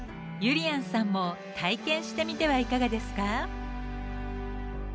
ゆりやんさんも体験してみてはいかがですか？